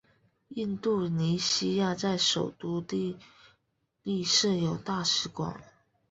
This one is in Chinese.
印度尼西亚在首都帝力设有大使馆。